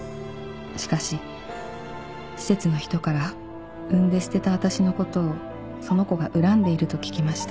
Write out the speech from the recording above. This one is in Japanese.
「しかし施設の人から産んで捨てた私のことをその子が恨んでいると聞きました」